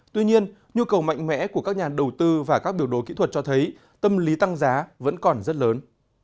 tuy nhiên nhu cầu mạnh mẽ của các nhà đầu tư và các biểu đối kỹ thuật cho thấy tâm lý tăng giá vẫn còn rất lớn